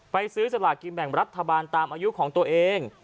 ซื้อสลากินแบ่งรัฐบาลตามอายุของตัวเอง